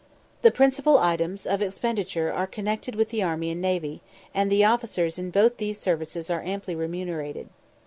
The principal items of expenditure are connected with the army and navy, and the officers in both these services are amply remunerated.